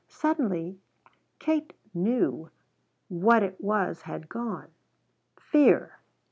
Suddenly Katie knew what it was had gone. Fear.